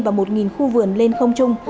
và một khu vườn lên không chung